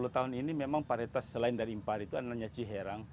sepuluh tahun ini memang paritas selain dari impari itu adalah ciherang